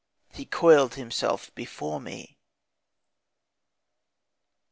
He coiled himself before me.